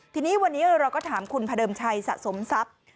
ทีนี้วันนี้เราก็ถามคุณพระเดิมชัยสะสมทรัพย์